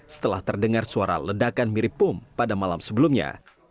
setelah terdengar suara ledakan mirip bom pada malam sebelumnya